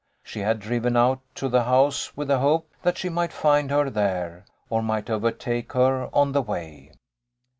She had driven out to the house with the hope that she might find her there, or might overtake her on the way.